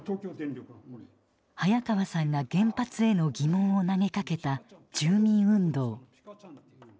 早川さんが原発への疑問を投げかけた住民運動。